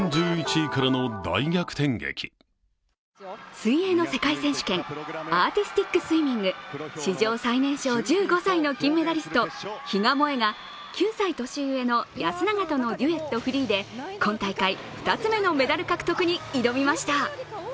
水泳の世界選手権アーティスティックスイミング、史上最年少１５歳の金メダリスト比嘉もえが９歳年上の安永とのデュエットフリーで、今大会２つ目のメダル獲得に挑みました。